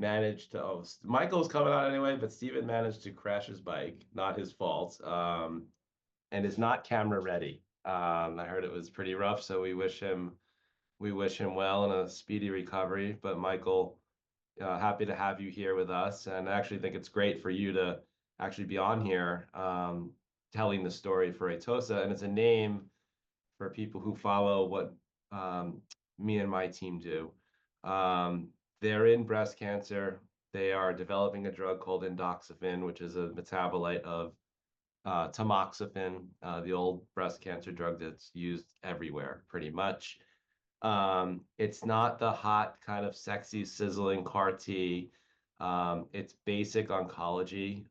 Managed to host, Michael's coming on anyway, but Steven managed to crash his bike. Not his fault, and is not camera ready. I heard it was pretty rough, so we wish him well and a speedy recovery. But Michael, happy to have you here with us, and I actually think it's great for you to actually be on here, telling the story for Atossa. And it's a name for people who follow what me and my team do. They're in breast cancer. They are developing a drug called endoxifen, which is a metabolite of tamoxifen, the old breast cancer drug that's used everywhere, pretty much. It's not the hot, kind of sexy, sizzling CAR T. It's basic oncology.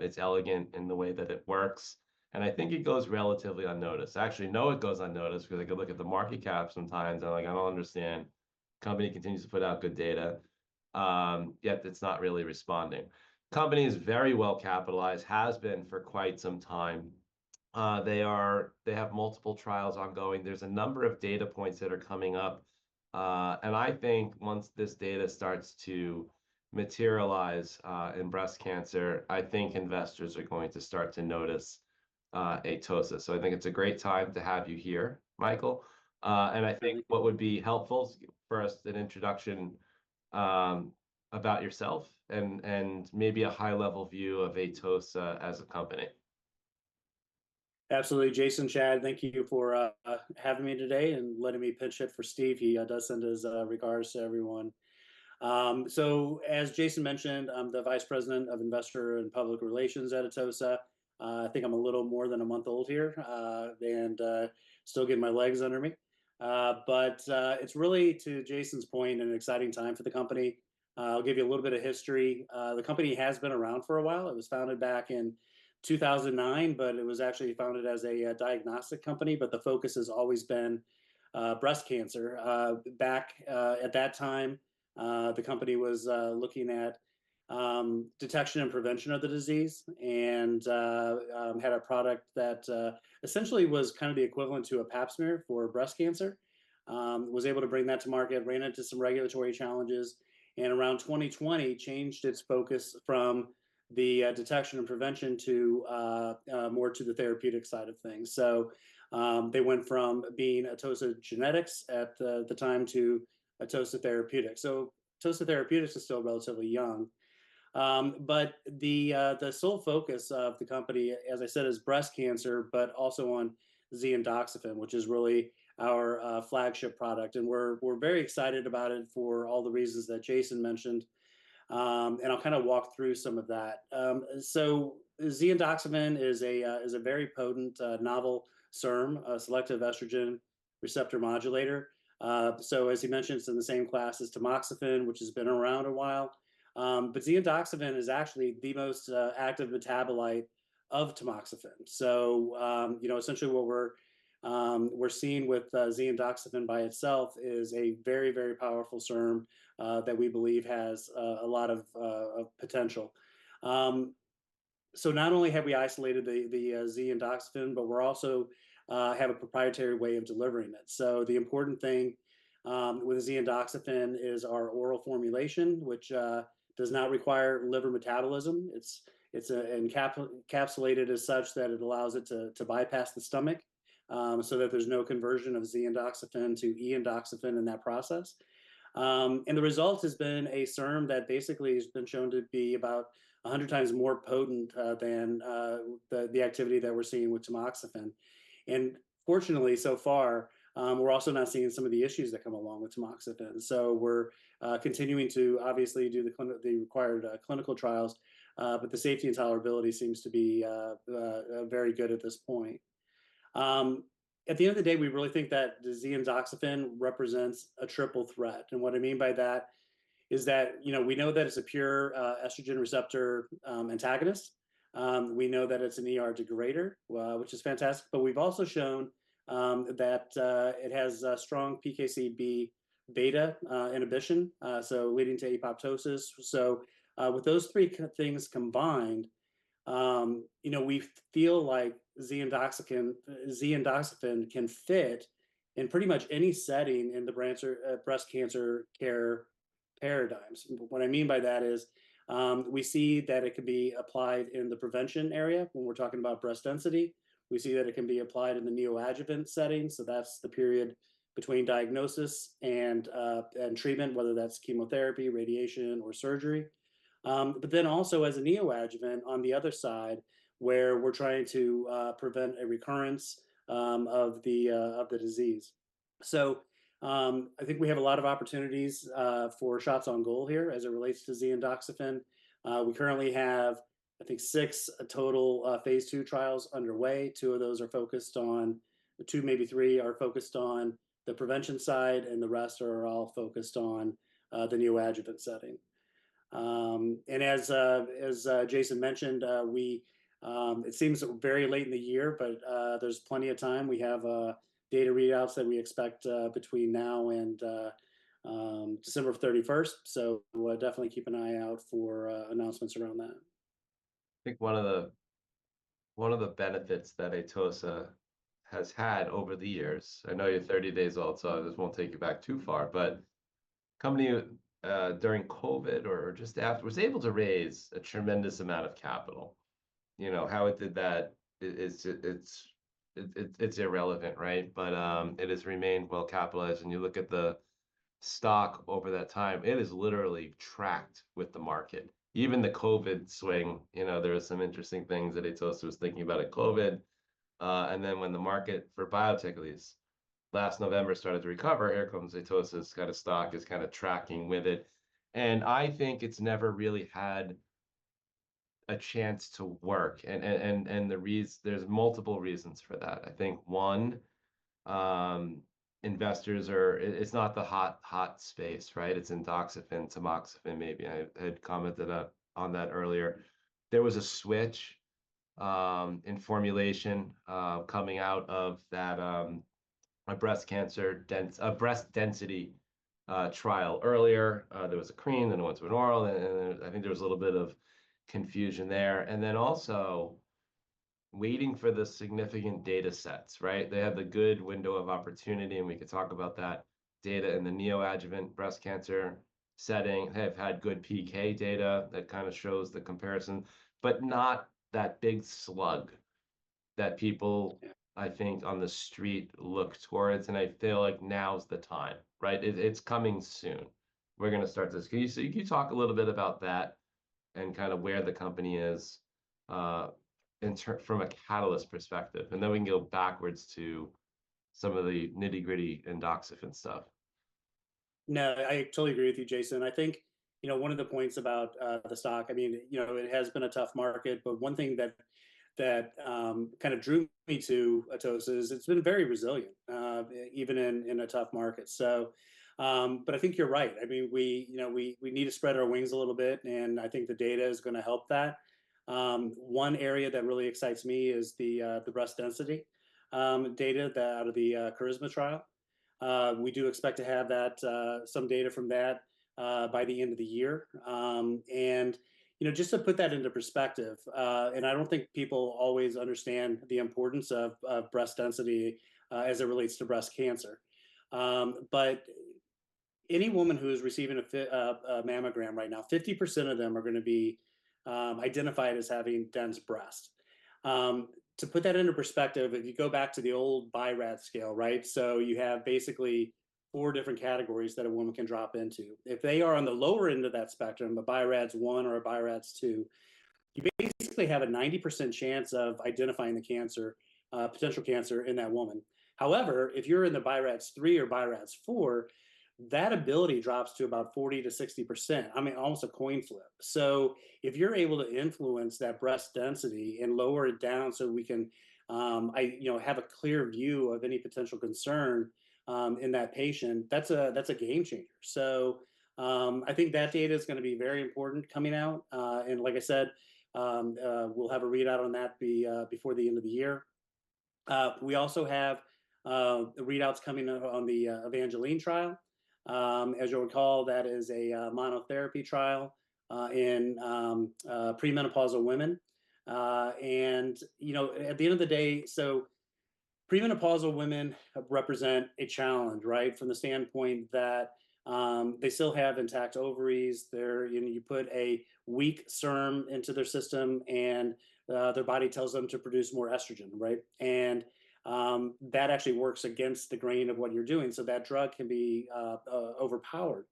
It's elegant in the way that it works, and I think it goes relatively unnoticed. Actually, no, it goes unnoticed because I look at the market cap sometimes, and I'm like, "I don't understand. Company continues to put out good data, yet it's not really responding." Company is very well capitalized, has been for quite some time. They have multiple trials ongoing. There's a number of data points that are coming up, and I think once this data starts to materialize in breast cancer, I think investors are going to start to notice Atossa, so I think it's a great time to have you here, Michael, and I think what would be helpful is first an introduction about yourself and maybe a high-level view of Atossa as a company. Absolutely. Jason, Chad, thank you for having me today and letting me pitch in for Steve. He does send his regards to everyone. So as Jason mentioned, I'm the Vice President of Investor and Public Relations at Atossa. I think I'm a little more than a month old here, and still getting my legs under me. But it's really, to Jason's point, an exciting time for the company. I'll give you a little bit of history. The company has been around for a while. It was founded back in 2009, but it was actually founded as a diagnostic company, but the focus has always been breast cancer. Back at that time, the company was looking at detection and prevention of the disease and had a product that essentially was kind of the equivalent to a Pap smear for breast cancer. It was able to bring that to market, ran into some regulatory challenges, and around 2020, changed its focus from the detection and prevention to more to the therapeutic side of things, so they went from being Atossa Genetics at the time to Atossa Therapeutics, so Atossa Therapeutics is still relatively young, but the sole focus of the company, as I said, is breast cancer, but also on (Z)-endoxifen, which is really our flagship product, and we're very excited about it for all the reasons that Jason mentioned, and I'll kind of walk through some of that. So (Z)-endoxifen is a very potent novel SERM, a selective estrogen receptor modulator. So as he mentioned, it's in the same class as tamoxifen, which has been around a while. But (Z)-endoxifen is actually the most active metabolite of tamoxifen. So you know, essentially what we're seeing with (Z)-endoxifen by itself is a very, very powerful SERM that we believe has a lot of potential. So not only have we isolated the (Z)-endoxifen, but we also have a proprietary way of delivering it. So the important thing with (Z)-endoxifen is our oral formulation, which does not require liver metabolism. It's encapsulated as such that it allows it to bypass the stomach so that there's no conversion of (Z)-endoxifen to (E)-endoxifen in that process. And the result has been a SERM that basically has been shown to be about a hundred times more potent than the activity that we're seeing with Tamoxifen. And fortunately, so far, we're also not seeing some of the issues that come along with Tamoxifen. So we're continuing to obviously do the required clinical trials, but the safety and tolerability seems to be very good at this point. At the end of the day, we really think that the (Z)-endoxifen represents a triple threat, and what I mean by that is that, you know, we know that it's a pure estrogen receptor antagonist. We know that it's an ER degrader, which is fantastic, but we've also shown that it has a strong PKC beta inhibition, so leading to apoptosis, so with those three key things combined, you know, we feel like (Z)-endoxifen can fit in pretty much any setting in the breast cancer care paradigms. What I mean by that is, we see that it can be applied in the prevention area when we're talking about breast density. We see that it can be applied in the neoadjuvant setting, so that's the period between diagnosis and treatment, whether that's chemotherapy, radiation, or surgery, but then also as a neoadjuvant on the other side, where we're trying to prevent a recurrence of the disease. I think we have a lot of opportunities for shots on goal here as it relates to (Z)-endoxifen. We currently have, I think, six total phase II trials underway. Two, maybe three of those are focused on the prevention side, and the rest are all focused on the neoadjuvant setting, as Jason mentioned. It seems very late in the year, but there's plenty of time. We have data readouts that we expect between now and December thirty-first. We'll definitely keep an eye out for announcements around that. I think one of the benefits that Atossa has had over the years. I know you're thirty days old, so I just won't take you back too far, but company during COVID or just after was able to raise a tremendous amount of capital. You know, how it did that is it's irrelevant, right? But it has remained well-capitalized. When you look at the stock over that time, it has literally tracked with the market. Even the COVID swing, you know, there are some interesting things that Atossa was thinking about at COVID. And then when the market for biotech at least last November started to recover, here comes Atossa's kind of stock is kind of tracking with it. And I think it's never really had a chance to work, and there's multiple reasons for that. I think, one, investors are... It's not the hot, hot space, right? It's endoxifen, tamoxifen, maybe. I had commented on that earlier. There was a switch in formulation coming out of that a breast density trial earlier. There was a cream, then it went to an oral, and I think there was a little bit of confusion there. And then also, waiting for the significant data sets, right? They have the good window of opportunity, and we could talk about that data in the neoadjuvant breast cancer setting. They've had good PK data that kinda shows the comparison, but not that big slug that people, I think on the street look towards, and I feel like now's the time, right? It's coming soon. We're gonna start this. Can you, so can you talk a little bit about that and kind of where the company is in terms from a catalyst perspective? And then we can go backwards to some of the nitty-gritty endoxifen stuff. No, I totally agree with you, Jason. I think, you know, one of the points about the stock, I mean, you know, it has been a tough market, but one thing that kind of drew me to Atossa is it's been very resilient, even in a tough market. So, but I think you're right. I mean, we, you know, we need to spread our wings a little bit, and I think the data is gonna help that. One area that really excites me is the breast density data, out of the KARISMA trial. We do expect to have that some data from that by the end of the year. And, you know, just to put that into perspective, and I don't think people always understand the importance of breast density as it relates to breast cancer. But any woman who is receiving a mammogram right now, 50% of them are gonna be identified as having dense breasts. To put that into perspective, if you go back to the old BI-RADS scale, right? You have basically four different categories that a woman can drop into. If they are on the lower end of that spectrum, a BI-RADS 1 or a BI-RADS 2, you basically have a 90% chance of identifying the cancer, potential cancer in that woman. However, if you're in the BI-RADS 3 or BI-RADS 4, that ability drops to about 40%-60%. I mean, almost a coin flip. So if you're able to influence that breast density and lower it down so we can, you know, have a clear view of any potential concern in that patient, that's a game changer. So, I think that data's gonna be very important coming out, and like I said, we'll have a readout on that before the end of the year. We also have the readouts coming up on the EVANGELINE trial. As you'll recall, that is a monotherapy trial in premenopausal women. And, you know, at the end of the day, so premenopausal women represent a challenge, right? From the standpoint that they still have intact ovaries. They're you know, you put a weak SERM into their system, and their body tells them to produce more estrogen, right? And that actually works against the grain of what you're doing, so that drug can be overpowered.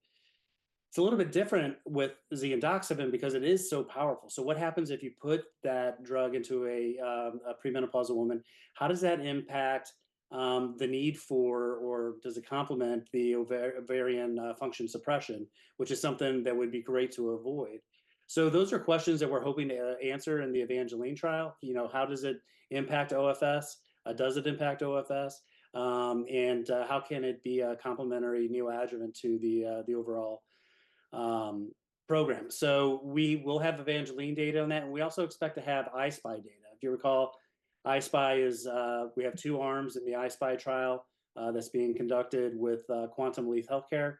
It's a little bit different with the endoxifen because it is so powerful. So what happens if you put that drug into a premenopausal woman? How does that impact the need for or does it complement the ovarian function suppression? Which is something that would be great to avoid. So those are questions that we're hoping to answer in the EVANGELINE trial. You know, how does it impact OFS, does it impact OFS, and how can it be a complementary neoadjuvant to the overall program? So we will have EVANGELINE data on that, and we also expect to have I-SPY data. If you recall. I-SPY is, we have two arms in the I-SPY trial, that's being conducted with Quantum Leap Healthcare.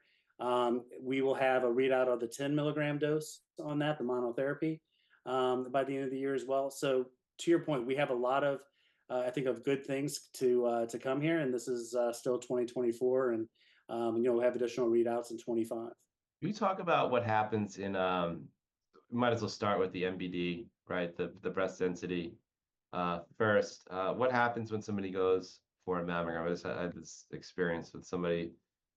We will have a readout of the ten-milligram dose on that, the monotherapy, by the end of the year as well. So to your point, we have a lot of, I think of good things to come here, and this is still twenty twenty-four, and you know, we'll have additional readouts in twenty-five. Can you talk about what happens in, might as well start with the MBD, right? The breast density. First, what happens when somebody goes for a mammogram? I was, I had this experience with somebody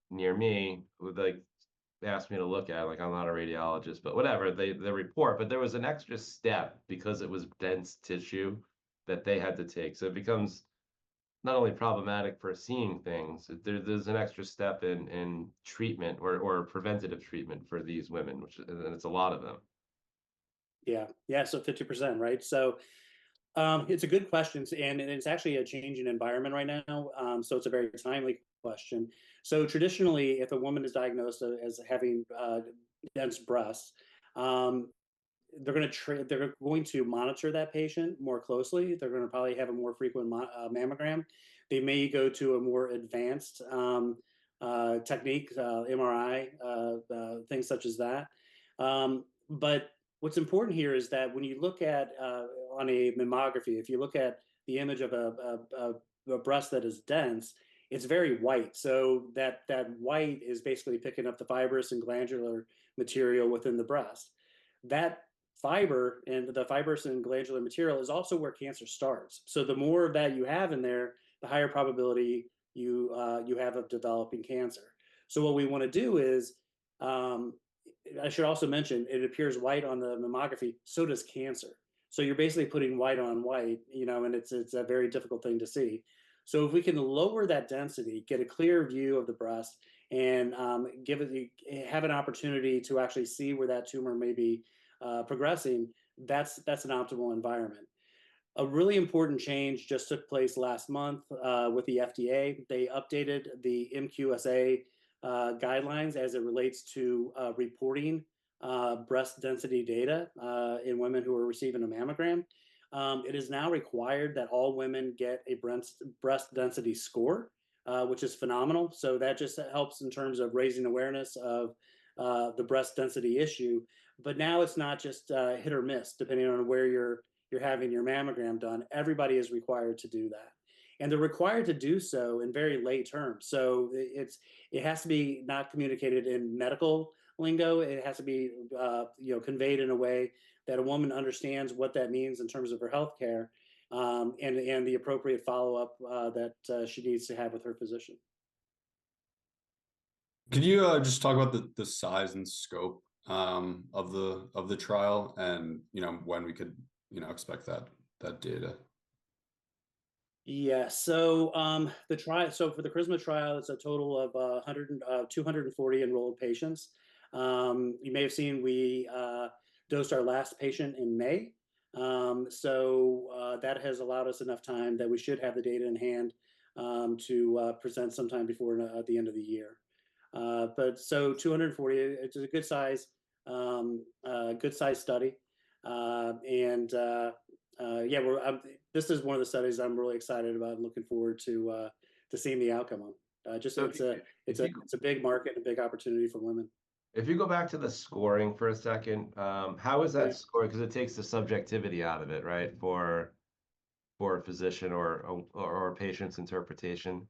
near me who, like, they asked me to look at, like, I'm not a radiologist, but whatever, the report. But there was an extra step because it was dense tissue that they had to take. So it becomes not only problematic for seeing things, there's an extra step in treatment or preventative treatment for these women, which, and it's a lot of them. Yeah, so 50%, right? It's a good question, and it's actually a changing environment right now, so it's a very timely question. Traditionally, if a woman is diagnosed as having dense breasts, they're going to monitor that patient more closely. They're gonna probably have a more frequent mammogram. They may go to a more advanced technique, MRI, things such as that. But what's important here is that when you look at on a mammography, if you look at the image of a breast that is dense, it's very white. So that white is basically picking up the fibrous and glandular material within the breast. That fiber, and the fibrous and glandular material, is also where cancer starts. So the more of that you have in there, the higher probability you, you have of developing cancer. So what we wanna do is, I should also mention, it appears white on the mammography, so does cancer. So you're basically putting white on white, you know, and it's a very difficult thing to see. So if we can lower that density, get a clear view of the breast, and give it an opportunity to actually see where that tumor may be progressing, that's an optimal environment. A really important change just took place last month with the FDA. They updated the MQSA guidelines as it relates to reporting breast density data in women who are receiving a mammogram. It is now required that all women get a breast density score, which is phenomenal. That just helps in terms of raising awareness of the breast density issue. But now it's not just hit or miss, depending on where you're having your mammogram done, everybody is required to do that. And they're required to do so in very lay terms. So it has to be not communicated in medical lingo, it has to be you know conveyed in a way that a woman understands what that means in terms of her healthcare, and the appropriate follow-up that she needs to have with her physician. Could you just talk about the size and scope of the trial and, you know, when we could, you know, expect that data? Yeah. So, for the KARISMA trial, it's a total of 240 enrolled patients. You may have seen we dosed our last patient in May. So, that has allowed us enough time that we should have the data in hand, to present sometime before the end of the year. But so 240, it, it's a good size, good size study. And yeah, we're, I'm, this is one of the studies I'm really excited about and looking forward to, to seeing the outcome on. Just so it's a big market and a big opportunity for women. If you go back to the scoring for a second, how is that scored? 'Cause it takes the subjectivity out of it, right, for a physician or a patient's interpretation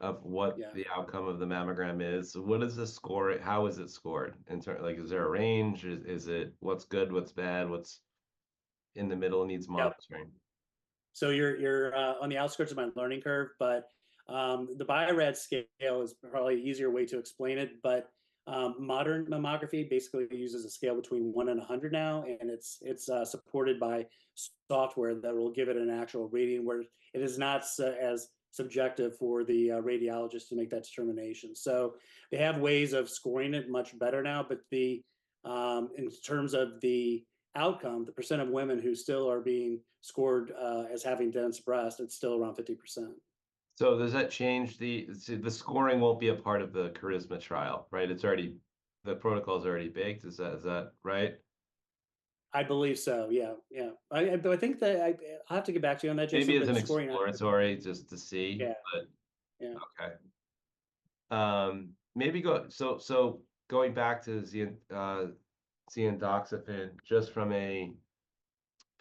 of what the outcome of the mammogram is. What is the score? How is it scored? In terms, like, is there a range? Is it what's good, what's bad, what's in the middle and needs monitoring? Yep. So you're on the outskirts of my learning curve, but the BI-RADS scale is probably the easier way to explain it. But modern mammography basically uses a scale between 1 and 100 now, and it's supported by software that will give it an actual reading, where it is not as subjective for the radiologist to make that determination. So they have ways of scoring it much better now, but in terms of the outcome, the percent of women who still are being scored as having dense breasts, it's still around 50%. The scoring won't be a part of the KARISMA trial, right? It's already, the protocol's already baked. Is that right? I believe so, yeah, yeah. But I think that I, I'll have to get back to you on that. Maybe as an exploratory just to see. Yeah. Okay. Maybe so going back to (Z)-endoxifen, just from a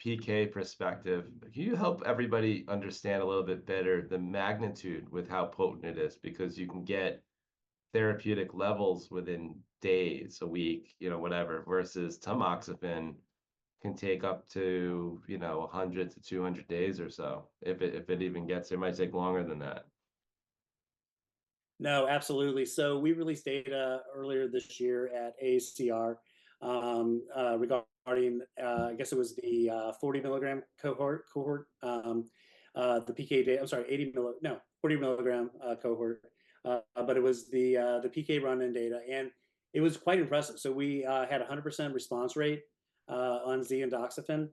PK perspective, can you help everybody understand a little bit better the magnitude with how potent it is? Because you can get therapeutic levels within days, a week, you know, whatever, versus tamoxifen can take up to, you know, 100 to 200 days or so, if it even gets, it might take longer than that. No, absolutely. So we released data earlier this year at AACR regarding I guess it was the 40 mg ram cohort. I'm sorry, no, 40 mg cohort. But it was the PK run-in data, and it was quite impressive. So we had 100% response rate on (Z)-endoxifen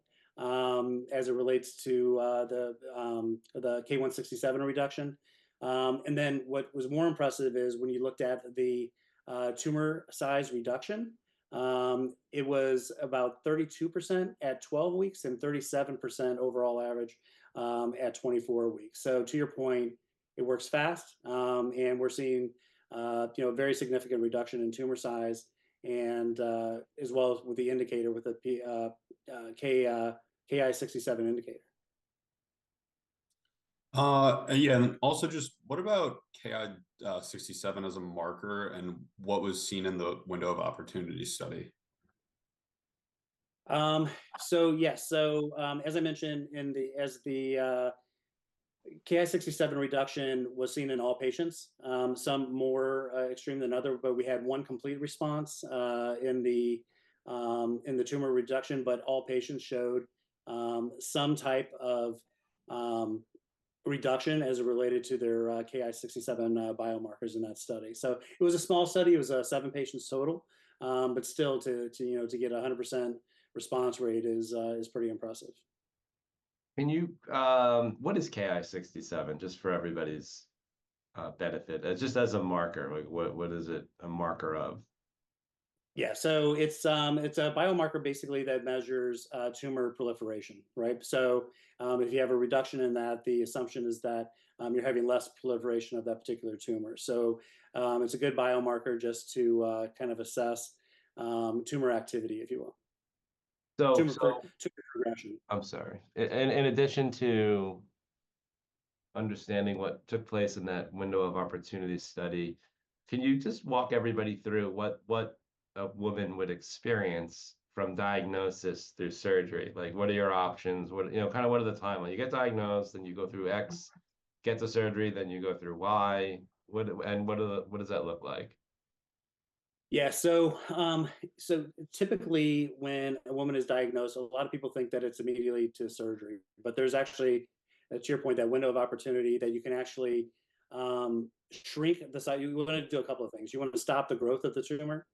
as it relates to the Ki-67 reduction. And then what was more impressive is when you looked at the tumor size reduction, it was about 32% at 12 weeks and 37% overall average at 24 weeks. So to your point, it works fast, and we're seeing you know very significant reduction in tumor size, and as well as with the indicator, with the Ki-67 indicator. Yeah, and also just what about Ki-67 as a marker, and what was seen in the window of opportunity study? As I mentioned, the Ki-67 reduction was seen in all patients, some more extreme than others, but we had one complete response in the tumor reduction. But all patients showed some type of reduction as it related to their Ki-67 biomarkers in that study. So it was a small study. It was seven patients total, but still, you know, to get 100% response rate is pretty impressive. Can you, what is Ki-67? Just for everybody's benefit, just as a marker, like, what, what is it a marker of? Yeah, so it's a biomarker basically that measures tumor proliferation, right? So, if you have a reduction in that, the assumption is that you're having less proliferation of that particular tumor. So, it's a good biomarker just to kind of assess tumor activity, if you will. I'm sorry. In addition to understanding what took place in that window of opportunity study, can you just walk everybody through what a woman would experience from diagnosis through surgery? Like, what are your options, what. You know, kind of what are the timeline? You get diagnosed, then you go through X, get the surgery, then you go through Y. What, and what are what does that look like? Yeah, so typically when a woman is diagnosed, a lot of people think that it's immediately to surgery. But there's actually, to your point, that window of opportunity that you can actually shrink the size. You wanna do a couple of things. You want to stop the growth of the tumor,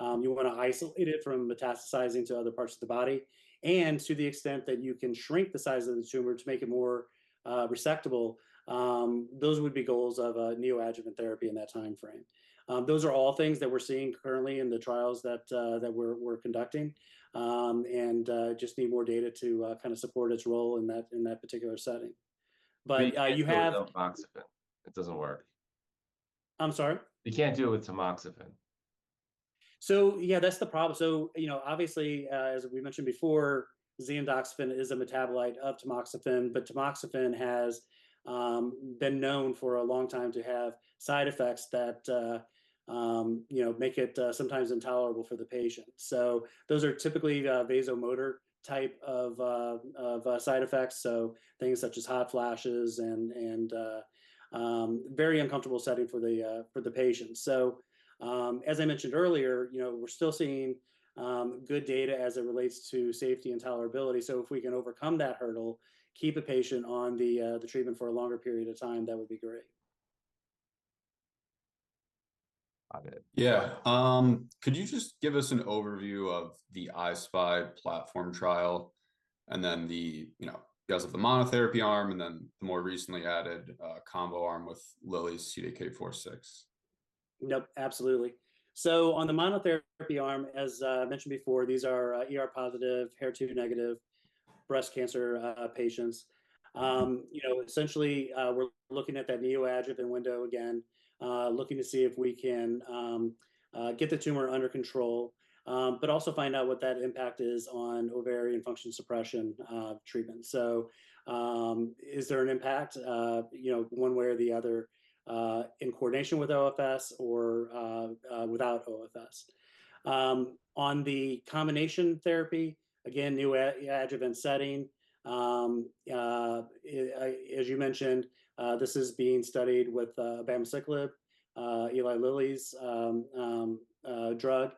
you wanna isolate it from metastasizing to other parts of the body, and to the extent that you can shrink the size of the tumor to make it more resectable. Those would be goals of a neoadjuvant therapy in that timeframe. Those are all things that we're seeing currently in the trials that we're conducting. And just need more data to kind of support its role in that particular setting. But you have. You can't do it with tamoxifen. It doesn't work. I'm sorry? You can't do it with tamoxifen. So yeah, that's the problem. So, you know, obviously, as we mentioned before, (Z)-endoxifen is a metabolite of tamoxifen, but tamoxifen has been known for a long time to have side effects that, you know, make it sometimes intolerable for the patient. So those are typically vasomotor type of side effects, so things such as hot flashes and very uncomfortable setting for the patient. So, as I mentioned earlier, you know, we're still seeing good data as it relates to safety and tolerability. So if we can overcome that hurdle, keep a patient on the treatment for a longer period of time, that would be great. Got it. Yeah. Could you just give us an overview of the I-SPY platform trial, and then the, you know, you guys have the monotherapy arm, and then the more recently added, combo arm with Lilly's CDK 4/6? Yep, absolutely. So on the monotherapy arm, as I mentioned before, these are ER positive, HER2 negative breast cancer patients. You know, essentially, we're looking at that neoadjuvant window again, looking to see if we can get the tumor under control, but also find out what that impact is on ovarian function suppression treatment. So, is there an impact, you know, one way or the other, in coordination with OFS or without OFS? On the combination therapy, again, neoadjuvant setting, as you mentioned, this is being studied with abemaciclib, Eli Lilly's drug.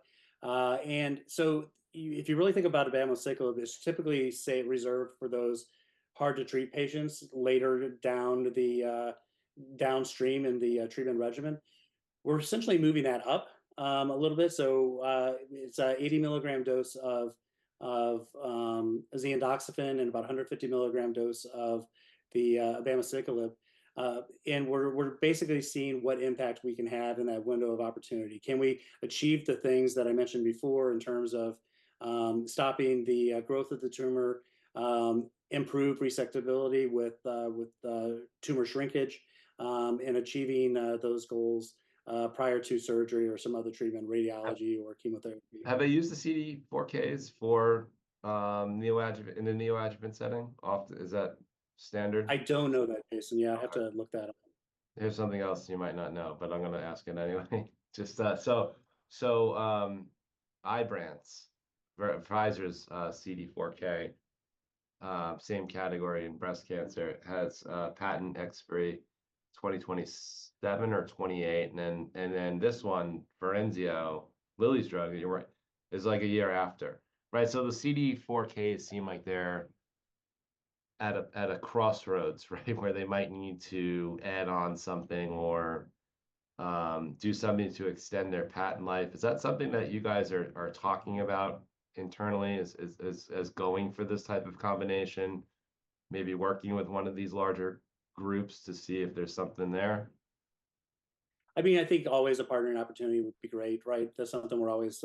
And so if you really think about abemaciclib, it's typically, say, reserved for those hard-to-treat patients later down the downstream in the treatment regimen. We're essentially moving that up a little bit. So, it's an 80 mg dose of (Z)-endoxifen and about a 150 mg dose of the abemaciclib. And we're basically seeing what impact we can have in that window of opportunity. Can we achieve the things that I mentioned before in terms of stopping the growth of the tumor, improve resectability with tumor shrinkage, and achieving those goals prior to surgery or some other treatment, radiotherapy or chemotherapy? Have they used the CDK 4/6s for neoadjuvant in the neoadjuvant setting often? Is that standard? I don't know that, Jason. Yeah, I'd have to look that up. Here's something else you might not know, but I'm gonna ask it anyway. Just, so, Ibrance, Pfizer's, CDK, same category in breast cancer, has a patent expiry 2027 or 2028, and then this one, Verzenio, Lilly's drug, you're right, is like a year after, right? So the CDKs seem like they're at a crossroads, right? Where they might need to add on something or do something to extend their patent life. Is that something that you guys are talking about internally, as going for this type of combination, maybe working with one of these larger groups to see if there's something there? I mean, I think always a partnering opportunity would be great, right? That's something we're always,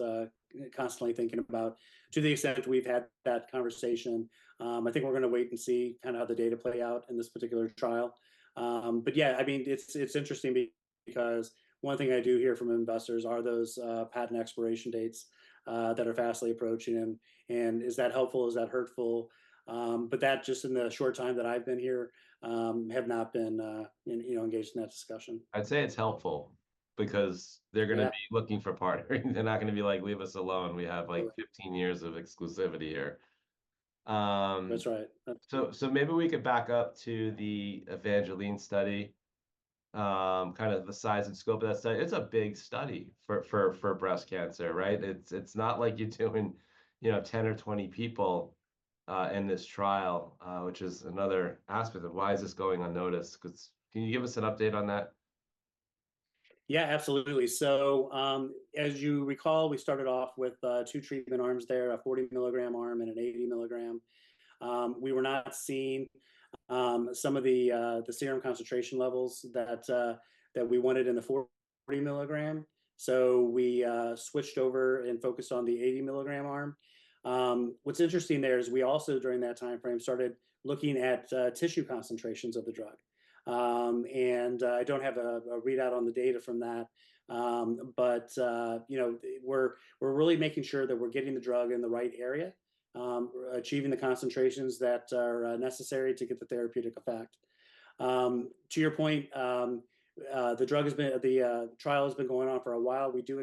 constantly thinking about. To the extent we've had that conversation, I think we're gonna wait and see kind of how the data play out in this particular trial. But yeah, I mean, it's, it's interesting because one thing I do hear from investors are those, patent expiration dates, that are fastly approaching, and, and is that helpful, is that hurtful? But that, just in the short time that I've been here, have not been, you know, engaged in that discussion. I'd say it's helpful because they're gonna be looking for partnering. They're not gonna be like: "Leave us alone, we have, like, fifteen years of exclusivity here. That's right. Maybe we could back up to the EVANGELINE study, kind of the size and scope of that study. It's a big study for breast cancer, right? It's not like you're doing, you know, 10 or 20 people in this trial, which is another aspect of why is this going unnoticed? 'Cause can you give us an update on that? Yeah, absolutely. So, as you recall, we started off with two treatment arms there, a 40 mg arm and an eighty milligram. We were not seeing some of the the serum concentration levels that that we wanted in the 40 mg, so we switched over and focused on the 80 mg arm. What's interesting there is we also, during that time frame, started looking at tissue concentrations of the drug. And I don't have a a readout on the data from that, but you know, we're we're really making sure that we're getting the drug in the right area, achieving the concentrations that are necessary to get the therapeutic effect. To your point, the drug has been, the trial has been going on for a while. We do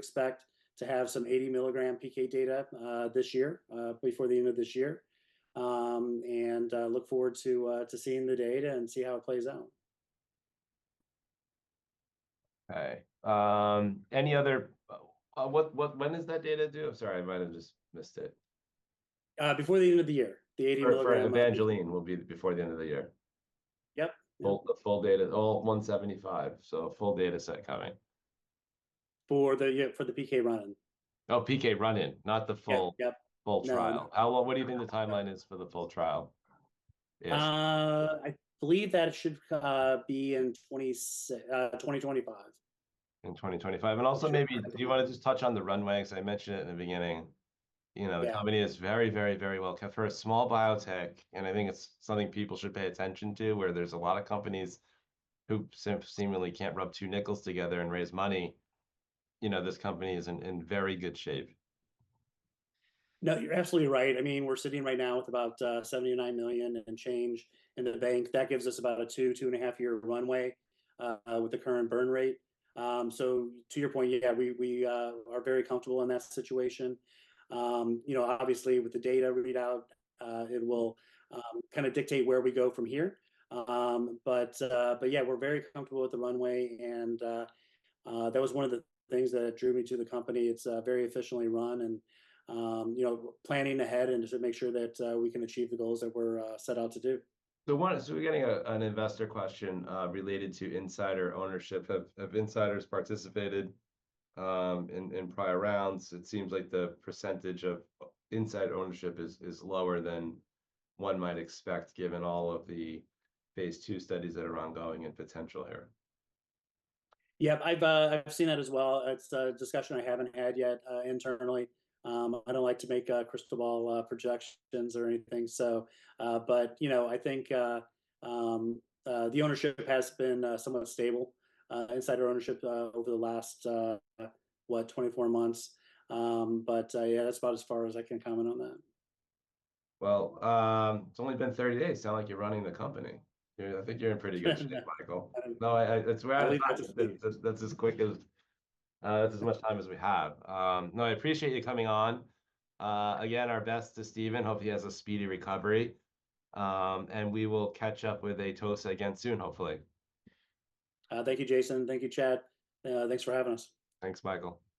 expect to have some 80 mg PK data this year, before the end of this year, and look forward to seeing the data and see how it plays out. Okay. Any other, what, when is that data due? Sorry, I might have just missed it. Before the end of the year, the 80 mg. For EVANGELINE will be before the end of the year? Yep. The full data, all 175, so a full data set coming? For the PK run-in. Oh, PK run-in, not the full- Yep. Full trial. No. What do you think the timeline is for the full trial? I believe that it should be in 2025. In 2025. And also, maybe, do you want to just touch on the runway? 'Cause I mentioned it in the beginning. You know the company is very, very, very well capitalized for a small biotech, and I think it's something people should pay attention to, where there's a lot of companies who seemingly can't rub two nickels together and raise money. You know, this company is in very good shape. No, you're absolutely right. I mean, we're sitting right now with about $79 million and change in the bank. That gives us about a two and a half year runway with the current burn rate. So to your point, yeah, we are very comfortable in that situation. You know, obviously, with the data readout, it will kind of dictate where we go from here. But yeah, we're very comfortable with the runway, and that was one of the things that drew me to the company. It's very efficiently run and, you know, planning ahead and to make sure that we can achieve the goals that we're set out to do. We're getting an investor question related to insider ownership. Have insiders participated in prior rounds? It seems like the percentage of insider ownership is lower than one might expect, given all of the phase II studies that are ongoing and potential here. Yeah, I've seen that as well. It's a discussion I haven't had yet, internally. I don't like to make crystal ball projections or anything, so, but, you know, I think the ownership has been somewhat stable, insider ownership, over the last, what, 24 months. But yeah, that's about as far as I can comment on that. It's only been 30 days. Sounds like you're running the company. I think you're in pretty good shape, Michael. No, that's as quick as that's as much time as we have. No, I appreciate you coming on. Again, our best to Steven. Hope he has a speedy recovery, and we will catch up with Atossa again soon, hopefully. Thank you, Jason. Thank you, Chad. Thanks for having us. Thanks, Michael. Thanks.